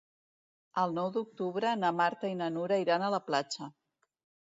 El nou d'octubre na Marta i na Nura iran a la platja.